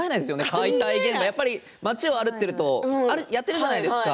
解体現場街を歩いているとやっているじゃないですか。